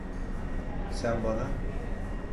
Sen bana…